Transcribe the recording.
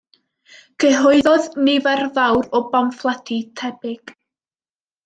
Cyhoeddodd nifer fawr o bamffledi tebyg.